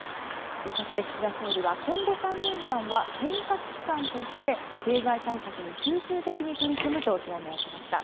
そして岸田総理は今後３年間は変革期間として経済対策に集中的に取り組むと表明しました。